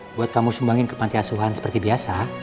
buat kamu sumbangin ke pantiasuhan seperti biasa